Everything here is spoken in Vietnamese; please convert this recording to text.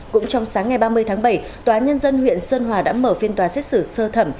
cũng trong sáng ngày ba mươi tháng bảy tòa nhân dân huyện sơn hòa đã mở phiên tòa xét xử sơ thẩm